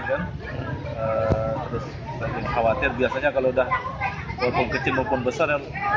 khawatir biasanya kalau udah kecil maupun besar